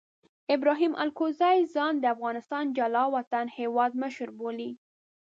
ابراهیم الکوزي ځان د افغانستان جلا وطنه هیواد مشر بولي.